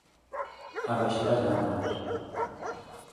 Abaixar les armes.